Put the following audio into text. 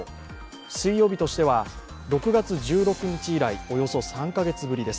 水曜日としては６月１６日以来およそ３カ月ぶりです。